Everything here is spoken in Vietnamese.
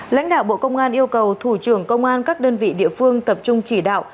lãnh đạo bộ công an yêu cầu thủ trưởng công an các đơn vị địa phương tập trung chỉ đạo